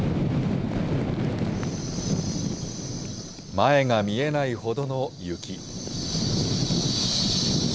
前が見えないほどの雪。